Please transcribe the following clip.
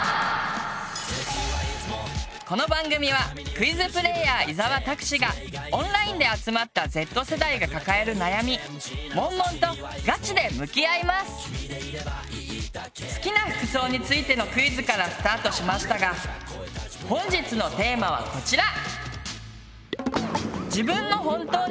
この番組はクイズプレーヤー伊沢拓司がオンラインで集まった好きな服装についてのクイズからスタートしましたが本日のテーマはこちら！